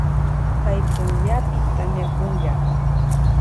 Kay punllapi tamiakunlla.